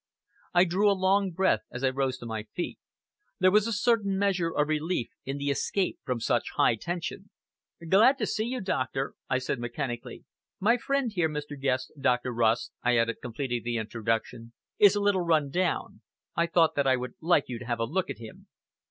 I drew a long breath as I rose to my feet. There was a certain measure of relief in the escape from such high tension. "Glad to see you, doctor," I said mechanically. "My friend here, Mr. Guest, Dr. Rust," I added, completing the introduction, "is a little run down. I thought that I would like you to have a look at him."